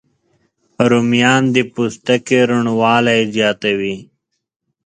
رومیان د پوستکي روڼوالی زیاتوي